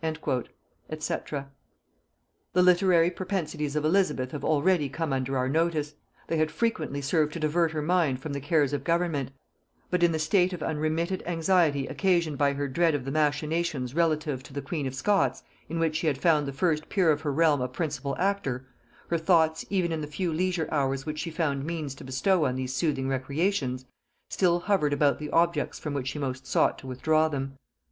&c. The literary propensities of Elizabeth have already come under our notice: they had frequently served to divert her mind from the cares of government; but in the state of unremitted anxiety occasioned by her dread of the machinations relative to the queen of Scots, in which she had found the first peer of her realm a principal actor, her thoughts, even in the few leisure hours which she found means to bestow on these soothing recreations, still hovered about the objects from which she most sought to withdraw them.